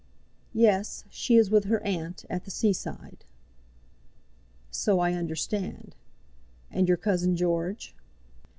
"Yes; she is with her aunt, at the seaside." "So I understand; and your cousin George?"